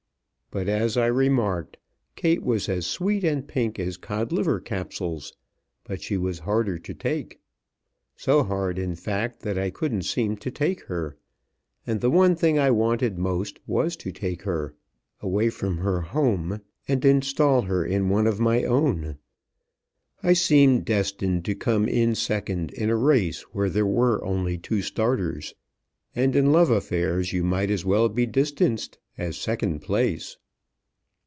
But, as I remarked, Kate was as sweet and pink as Codliver Capsules; but she was harder to take. So hard, in fact, that I couldn't seem to take her; and the one thing I wanted most was to take her away from her home and install her in one of my own. I seemed destined to come in second in a race where there were only two starters, and in love affairs you might as well be distanced as second place.